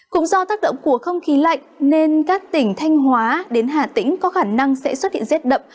cũng do tác động của không khí lạnh nên các tỉnh thanh hóa đến hà tĩnh có khả năng sẽ xuất hiện rét đậm